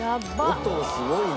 音がすごいな。